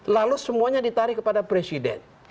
lalu semuanya ditarik kepada presiden